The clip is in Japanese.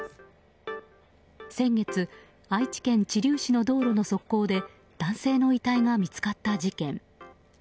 先月、愛知県知立市の道路の側溝で男性の遺体が見つかった事件。